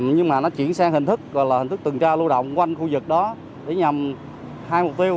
nhưng mà nó chuyển sang hình thức là hình thức tuần tra lưu động quanh khu vực đó để nhằm hai mục tiêu